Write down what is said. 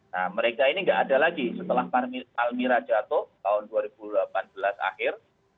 nah mereka ini nggak ada lagi setelah almira jatuh tahun dua ribu delapan belas akhir